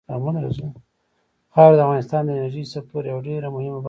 خاوره د افغانستان د انرژۍ سکتور یوه ډېره مهمه برخه ده.